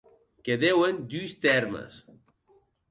Que deuen dus tèrmes.